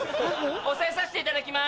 押さえさせていただきます！